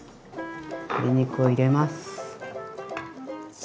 鶏肉を入れます。